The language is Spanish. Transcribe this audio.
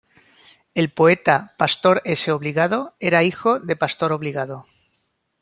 El poeta Pastor S. Obligado era hijo de Pastor Obligado.